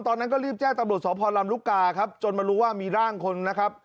ตอนนั้นก็รีบแจ้งตำรวจสพลำลูกกาครับจนมารู้ว่ามีร่างคนนะครับ